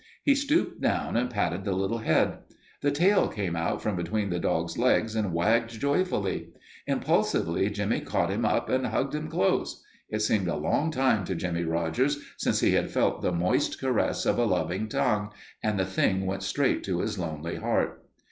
He stooped down and patted the little head. The tail came out from between the dog's legs and wagged joyfully. Impulsively Jimmie caught him up and hugged him close. It seemed a long time to Jimmie Rogers since he had felt the moist caress of a loving tongue, and the thing went straight to his lonely heart.